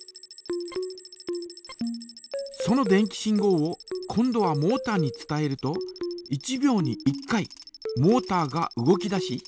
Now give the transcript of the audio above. その電気信号を今度はモータに伝えると１秒に１回モータが動き出し。